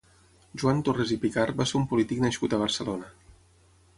Joan Torres i Picart va ser un polític nascut a Barcelona.